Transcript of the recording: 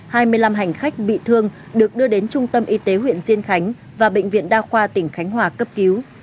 hai mươi năm hành khách bị thương được đưa đến trung tâm y tế huyện diên khánh và bệnh viện đa khoa tỉnh khánh hòa cấp cứu